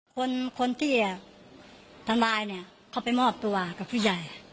คนที่ทำร้ายเนี่ยเขาไปมอบตัวกับผู้ใหญ่